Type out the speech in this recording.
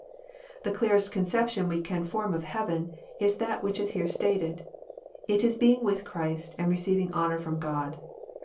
The clearest conception we can form of heaven is that which is here stated. It is being with Christ, and receiving honour from God.